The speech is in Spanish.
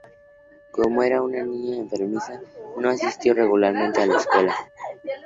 Como era una niña enfermiza, no asistió regularmente a la escuela.